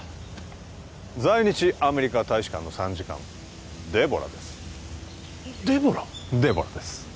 在日アメリカ大使館の参事官デボラですデボラ！？デボラです